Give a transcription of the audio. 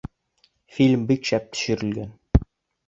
Фильм бик шәп төшөрөлгән